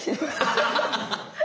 アハハハハ。